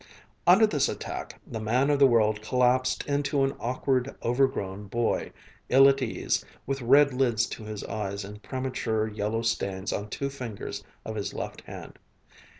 Under this attack, the man of the world collapsed into an awkward overgrown boy, ill at ease, with red lids to his eyes and premature yellow stains on two fingers of his left hand.